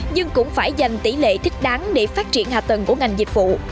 nhưng cũng phải dành tỷ lệ thích đáng để phát triển hạ tầng của ngành dịch vụ